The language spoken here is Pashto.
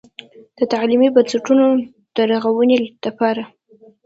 د تعليمي بنسټونو د رغونې دپاره